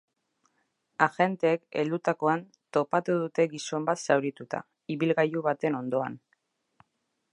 Agenteek, heldutakoan, topatu dute gizon bat zaurituta, ibilgailu baten ondoan.